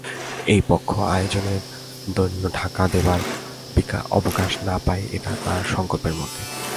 এ পক্ষ আয়োজনের দৈন্য ঢাকা দেবার অবকাশ না পায় এটা তার সংকল্পের মধ্যে।